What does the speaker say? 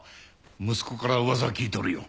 息子から噂は聞いとるよ。